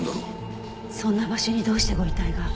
そんな場所にどうしてご遺体が。